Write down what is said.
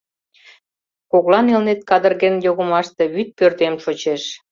Коклан Элнет кадырген йогымаште вӱд пӧрдем шочеш.